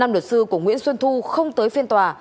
năm luật sư của nguyễn xuân thu không tới phiên tòa